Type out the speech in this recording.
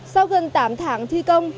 sau gần tám tháng thi công